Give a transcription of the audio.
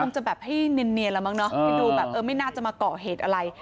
จะแบบให้เนียนแล้วมั้งเนอะให้ดูแบบเออไม่น่าจะมาเกาะเหตุอะไร